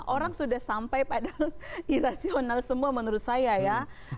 orang sudah sampai pada irasional semua menurut saya ya